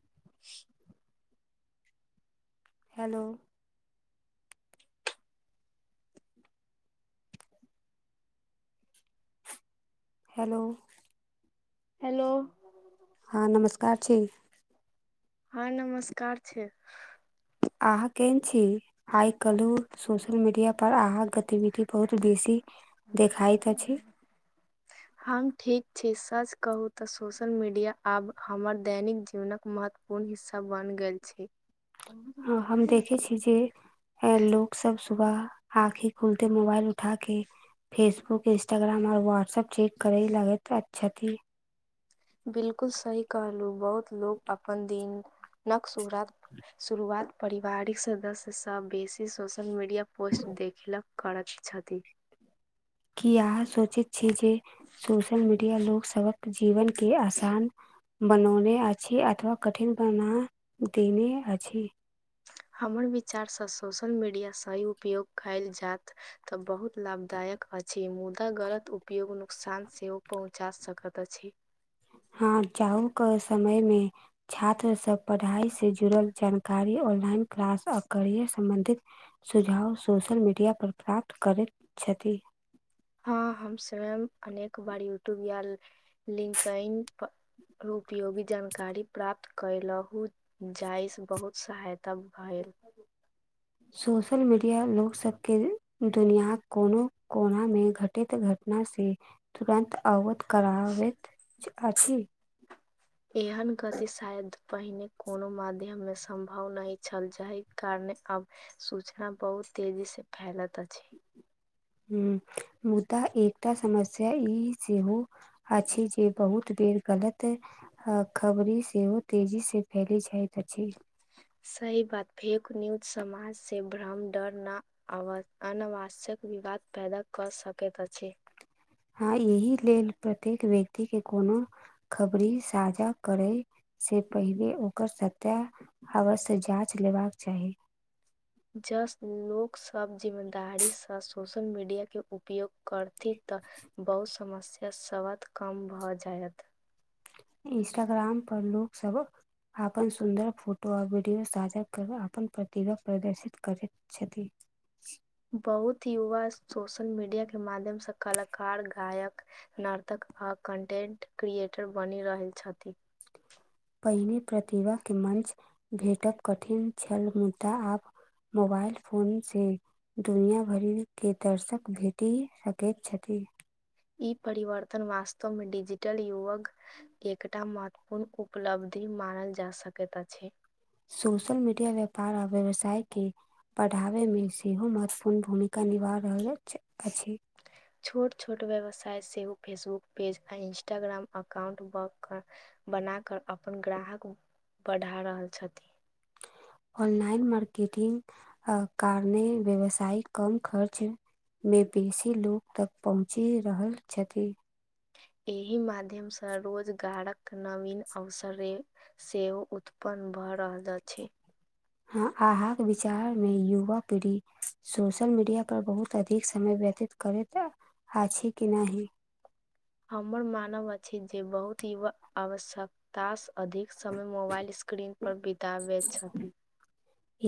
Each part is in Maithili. [inaudible] हेलो हेलो हेलो हाँ नमस्कार छी हाँ नमस्कार छै अहाँ केहन छी आइ कलुह सोशल मीडिया पर अहाँक गतिविधि बहुत बेसी देखाइत अछि [inaudible] हम ठीक छी सच कहू तऽ सोशल मीडिया आब हमर दैनिक जीवनक महत्व पूर्ण हिस्सा बन गैल छी। हाँ हम देखै छी जे ए लोग सब सुबह आँखे खुलते मोबाइल उठा के फेसबुक इन्स्टाग्राम और व्हाट्सअप चेक करै लागैत अछ छथी। बिल्कुल सही कहलु बहुत लोक अपन दिनक सुभराइत शुरुआत परिवारिक सदस्यसँ बेसी सोशल मीडिया या पोस्ट देखिल करछ छथि। की अहाँ सोचैत छी जे सोशल मीडिया लोक सबक जीबन के आसान बनौने अछि अथवा कठिन बना देने अछि। हमर विचारसँ सोशल मीडिया सहि उपयोग कइल जात तऽ बहुत लाभदायक अछि मुदा गलत उपयोग नुकसान सेहो पहुँचा सकत अछि। हँ जाहो क समय मे छात्र सब पढ़ाइ से जुड़ल जानकारी ऑनलाइन क्लास आ करियर सम्बन्धित। सुझाव सोशल मीडिया पर प्राप्त करैत छथि। हँ हम सब अनेक बार यूट्यूब या लिंकैन उपयोगी जानकारी प्राप्त कयलहु जाइ स बहुत सहायता भएल। सोशल मीडिया लोक सबके दुनियाँक कोनो कोनामे घटैत घट ना से तुरन्त अवगत कराबैत अछि। एहन गति शायद पहिने कोनो माध्यम मे सम्भव नहि छल जाहि कारणे अब सूचना बहुत तेजी से फैलत अछि। हुँ मुदा एकटा समस्या ई सेहो अछि जे बहुत बेर गलत खबरि सेहो तेजीसँ फैलि जाइत अछि। सही बात फेक न्यूज समाज से भ्रम डर ना अव अनावश्यक विवाद पैदा कर सकैत अछि। हँ इही लेल प्रत्येक व्यक्ति के कोनो खबरी साझा करै से पहिले ओकर सत्य अवश्य जाँच लेबाक चाही। जस लोकसभ जिममेदारीसँ सोशल मीडियाके उपयोग करथि तऽ। बहुत समस्या सबत कम भऽ जायत। इन्स्टाग्राम पर लोक सब अपन सुन्दर फोटो आओर वीडियो साझा कर अपन प्रतिभा प्रदर्शित करैत। छथि। बहुत युवा सोशल मीडिया के माध्यम से कलाकार गायक नाटक आ कन्टेंट क्रिएटर बनि रहल छथि। पहिने प्रतिभा के मंच भेटब कठिन छल मुदा आब मोबाइल फोनसे दुनियाँ भरि के दर्शक भेटी सकैत छथि। ई परिवर्तन वास्तवमे डजिटल युवक एकटा महत्वपूर्ण उपलब्धि मानल जा सकैत अछि। सोशल मीडिया व्यापार आ व्यवसाय के पढ़ाबैमे सेहो महत्वपूर्ण भूमिका निभा रहल छ अछि। [inaudible] छोट छोट व्यवसाय सेहो फेसबुक पेज आ इन्स्टाग्राम अकाउंट ब कऽ बना कर अपन ग्राहक बढ़ा रहल छथि। ऑनलाइन मार्केटिंग आ कारने व्यवसाय कम खर्च मे बेसी लोग तक पहुँची रहल छथि। एहि माध्यमसँ रोजगारक नवीन अवसरे सेहो उत्पन्न भऽ रहल अछि। हँ अहाँक विचार मे युवा पीढ़ी सोशल मीडिया पर बहुत अधिक समय व्यतीत करैत आछि कि नहि। हमर मानव अछि जे बहुत युवा आवश्यकतास अधिक समय मोबाइल स्क्रीन पर बिताबैत छथि।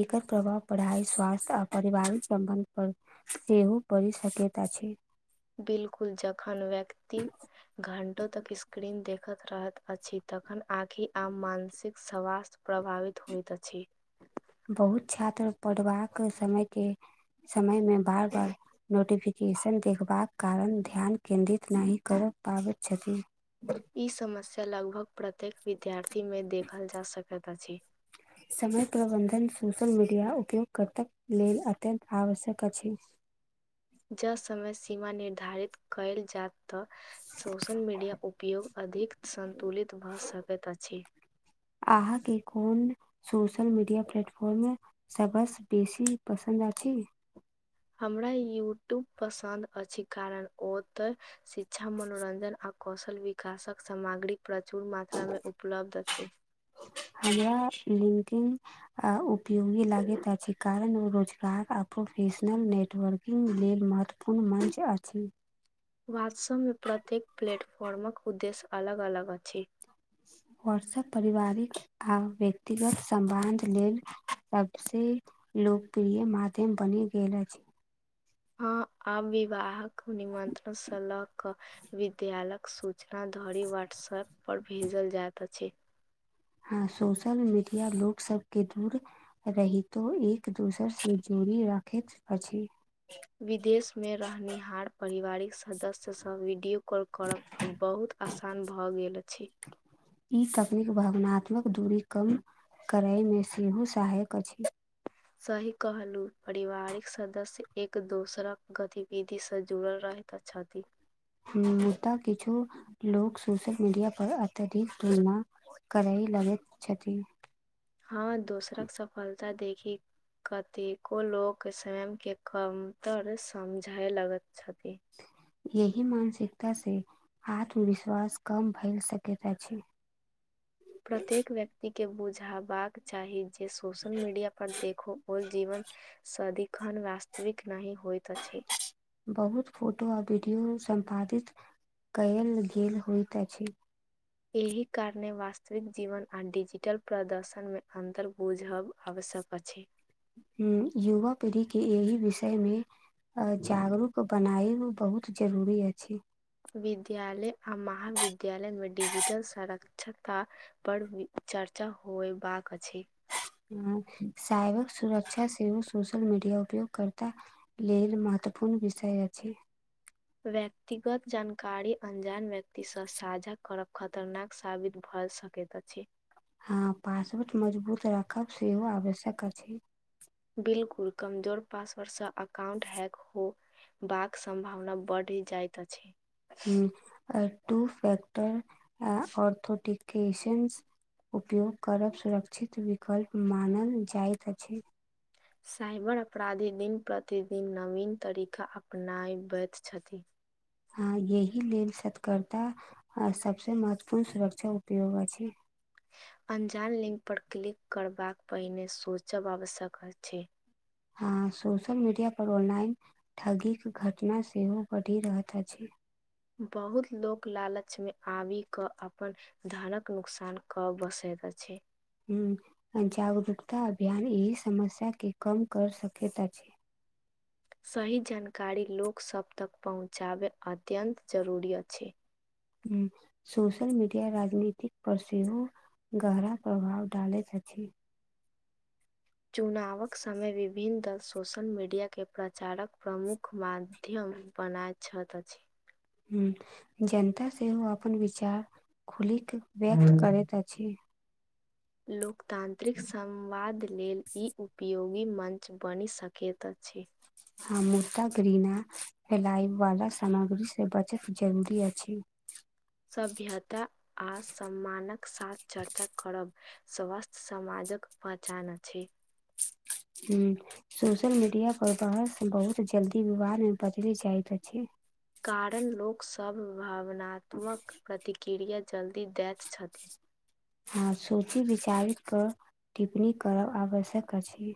एकर प्रभाव पढ़ाइ स्वास्थ्य आ परिवारिक समबन्ध पर सेहो पड़ि सकैत अछि। बिल्कुल जखन व्यक्ति घंटो तक स्क्रीन देख खत रहैत अछि तखन आँखि आ मानसिक स्वास्थ्य प्रभावित होइत अछि। बहुत छात्र पढ़बाक समयके समय मे बार बार। नोटिफिकेशन देखबाक कारण ध्यान केन्द्रित नहि कर पाबैत छथि। ई समस्या लगभग प्रत्येक विद्यार्थीमे देखल जा सकैत अछि समय प्रबन्धन सोशल मीडिया उपयोगकर्ताक लेल अत्यन्त आवश्यक अछि। जँ समय सीमा निर्धारित कयल जायत तऽ सोशल मीडिया उपयोग अधिक सन्तुलित भऽ सकैत अछि। आहाँ के कोन सोशल मीडिया प्लेटफॉर्म सबस बेसी पसन्द अछि। हमरा यूट्यूब पसन्द अछि कारण ओ तऽ शिक्षा मनोरंजन आ कौशल विकासक सामग्री प्रचुर मात्रा मे उपलब्ध अछि। हमरा लिंकिन आ उपयोगी लागैत अछि कारण ओ रोजगार आ प्रोफेशनल नेटवर्किंग लेल महत्व कोनो मंच आछि। व्हाट्सअपमे प्रत्येक प्लेटफॉर्मक उद्देश्य अलग अलग अछि। व्हाट्सअप परिवारिक आओर व्यक्तिगत सम्बध लेल सबसे लोकप्रिय माध्यम बनि गेल अछि। हँ आब विवाहक निमन्त्रणसँ ल कऽ विद्यालयक सूचना धरि व्हाट्सऐप पर भेजल जाइत अछि। हँ सोशल मीडिया लोक सब के दूर रहितो एक दूसर से जोड़ी राखैत अछि। विदेश मे रहनिहार। पारिवारिक सदस्य संग वीडियो कॉल करब अब बहुत आसान भए गेल अछि। ई तकनीक भावनात्मक दूरी कम करयमे सेहो सहायक अछि। सही कहलू परिवारिक सदस्य एक दोसराक गतिविधि से जुड़ल रहै। तऽ छथि। मुद्दा किछु लोग सोशल मीडिया पर अतिरिक्त ना करै लगैत छथि। हँ दोसरक सफलता देखी कतेको लोक स्वयंके कमतर समझै लगैत छथि। यही मानसिकता से आत्मविश्वास कम भैल सकैत अछि। [inaudible] प्रत्येक व्यक्त एके बुझबाक चाही जे सोशल मीडिया पर देखो ओ जीवन सदिखन वास्तविक नहि होइत अछि। बहुत फोटो आ वीडियो सम्पादित कयल गेल होइत अछि। एहि कारणे वास्तविक जीवन आ डिजिटल प्रदर्शन मे अन्तर बुझब आवश्यक अछि। हुँ, युवा पीढ़ी के एहि विषय मे अ जागरूक बनाएब बहुत जरूरी अछि। विद्यालय आ महाविद्यालयमे डिजिटल सरक्षता पर वीक चर्चा होयबाक अछि। हुँ साइबर सुरक्षा सेहो सोशल मीडिया उपयोगकर्ता लेल महत्वपूर्ण विषय अछि। व्यक्तिगत जानकारी अन्जान व्यक्तिसँ साझा करब खतरनाक साबित भऽ सकैै कैत अछि। हँ पासवुट मजबूत राखब सेहो आवश्यक अछि। बिलकुल कमजोर पासवर्डसँ अकाउंट हैक हो बाक सम्भावना बढ़ि जाइत अछि। हूं, आ टू फैक्टर अ ऑर्थोटिक केशंस उपयोग करब सुरक्षित विकल्प मानल जाइत अछि। साइबर अपराधी दिन-प्रतिदिन नवीन तरीका अपनाबैत छथिन। यही लेल सतकरर्ता आ सबसे महत्वपूर्ण सुरक्षा उपयोग अछि। अंजान लिंक पड़ क्लिक कड़बाक पहिने सोचब आवश्यक छै। हँ, सोशल मीडिया पर ऑनलाइन ठगीक के घटना सेहो बढ़ि रहैत अछि। बहुत लोक लालच मे आबि कऽ अपन धानक नुकसान कऽ बैसैत अछि। हूँ, अ जागरूकता अभियान एहि समस्या के कम कर सकैत अछि। सही जानकारी लोकसभ तक पहुँचाबै अत्यन्त जरूरी अछि। हँ सोशल मीडिया राजनीतिक परसव गहरा प्रभाव डालैत अछि। चुनावक समय विभिन्न दल सोशल मीडियाके प्रचारक प्रमुख मा्य मध्यम बनायत छथ अछि। ह जनता सेहो अपन विचार खुलिक व्यक्त करैत अछि। लोकतानत्रिक समवाद लेल ई उपयोग मञ्च बनि सकैत अछि। आ मुदा ग्रिना हेलायवला सामग्रीसँ बचत जरूरी अछि। सभ्यता आ सम्मानक साथ चर्चा करब स्वस्थ समाजक पहचान अछि। हूँ। सोशल मीडिया पर बात बहुत जल्दी विवाद मे बदलि जाइत अछि। कारण लोकसभ भावनात्मक प्रतिक्रिया जल्दी दैत छथि। हँ सोंची विचारिक टिप्पणी करब आवश्यक अछि।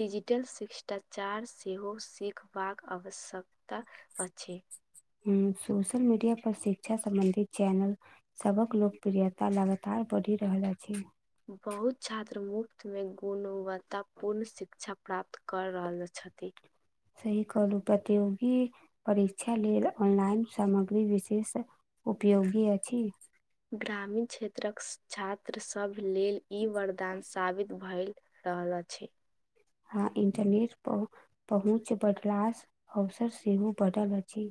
डिजिटल शिष्टाचार सेहो सीखबाक आवश्यकता अछि। हूँ सोशल मीडिया पर शिक्षा सम्बंधित चैनल सभक लोकप्रियता लगातार बढ़ि रहल अछि। बहुत छात्र मुफ्त मे गुणवत्ता पूर्ण शिक्षा प्राप्त कर रहल छथि। सही कहलू प्रतियोगी परीक्षा लेल ऑनलाइन सामग्री विशेष उपयोगी अछि। ग्रामीण क्षेत्रक छात्रसभ लेल ई वरदान साबित भइल। रहल अछि। हँ इंटरनेट पर पहुँच बढ़लास अवसर सेहो बढ़ल अछि।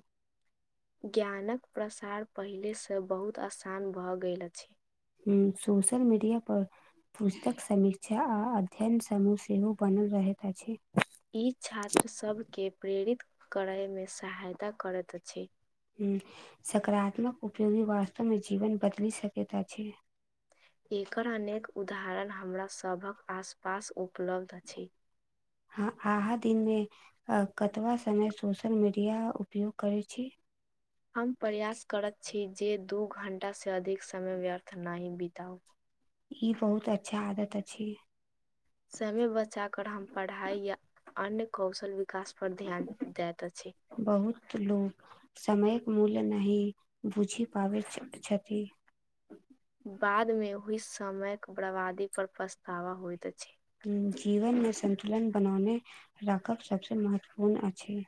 ज्ञानक प्रसार पहिलेसँ बहुत आसान भऽ गेल अछि। हुँ सोशल मीडिया पर पुस्तक समीक्षा आ अध्ययन समूह सेहो बनल रहैत अछि। ई छात्र सब के प्रेरित करै मे सहायता करैत अछि। हुँ सकारात्मक उपयोगी वास्तव मे जीवन बदलि सकैत अछि। एकर अनेक उदाहरण हमरा सभक आसपास उपलब्ध अछि। हँ अहा दिन मे कतबा समय सोशल मीडिया उपयोग करैत छी? हम प्रयास करैत छी जे दू घण्टासँ अधिक समय व्यर्थ नहि बिताउ। ई बहुत अच्छा आदत अछि समय बचाक हम पढ़ाइ या अन्य कौशल विकास पर ध्यान दैत अछि बहुत लोक समयक मूल्य नहि बुझि पाबै छथि बाद मे ओहि समयक बर्बादी पर पछतावा होइत अछि जीवन मे संन्तुलन बनौने राखक सबस महत्वपूर्ण अछि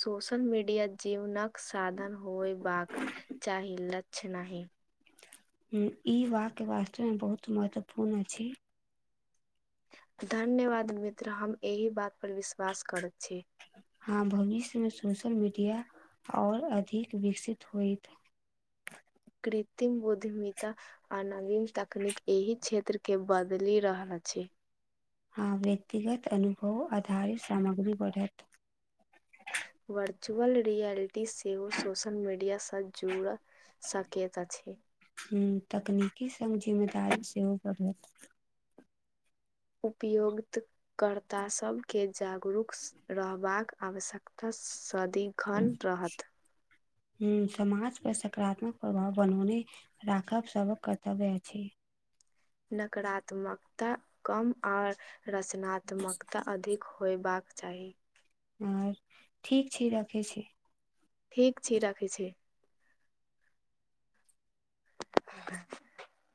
सोशल मीडिया जीवनक साधन होइ बक चाहि लक्ष्य नहि ई वाक्य वास्तमे बहुत महत्वपूर्ण अछि धन्यवाद मित्र हम एहि बात पर विश्वास करैत छी हँ भविष्य मे सोशल मीडिया आऔर अधिक विकसित होयइत कृत्रिम बुद्धिमिता आ नवीन तकनीक एहि क्षेत्र के बदलि रहल अछि हँ व्यक्तिगत अनुभव आधारित सामग्री बढ़त वर्चुअल रियलिटी सेहो सोशल मीडियासँ जुड़ल सकैत अछि ह तकनीकी सग जिम्मेदारी सेहो बढ़लत उपयोग कर्ता सबके जागरूक रहबाक आवश्यकता सदी अखन रहत हु समाज पर सकारात्मक प्रभाव बनौने राखब सबक कर्तव्य अछि नकारात्मकता कम आओर रचनात्मकता अधिक होयबाक चाही ह ठीक छी रखै छी ठीक छी राखै छी [inaudible]